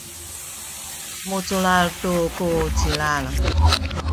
muculal tu ku cilal